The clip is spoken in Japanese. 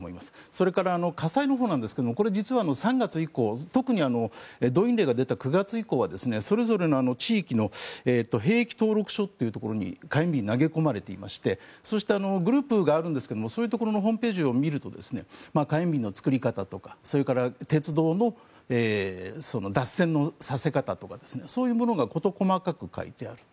それから、火災のほうなんですがこれ実は３月以降特に動員令が出た９月以降はそれぞれの地域の兵役登録所というところに火炎瓶が投げられていましてそうしたグループがあるんですがそういうところのホームページを見ると火炎瓶の作り方とか鉄道の脱線のさせ方とかそういうものが事細かく書いてある。